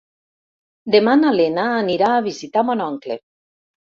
Demà na Lena anirà a visitar mon oncle.